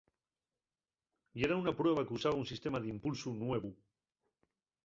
Yera una prueba qu'usaba un sistema d'impulsu nuevu.